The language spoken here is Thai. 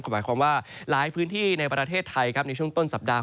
หมายความว่าหลายพื้นที่ในประเทศไทยครับในช่วงต้นสัปดาห